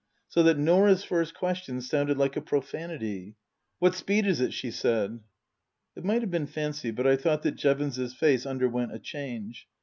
So that Norah's first question sounded like a profanity. " What speed is it ?" she said. It might have been fancy, but I thought that Jevons's face underwent a change.